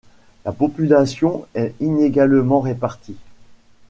La population est inégalement répartie.